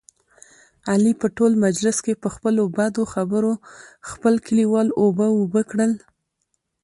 علي په ټول مجلس کې، په خپلو بدو خبرو خپل کلیوال اوبه اوبه کړل.